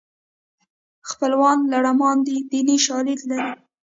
خپلوان لړمان دي دیني شالید لري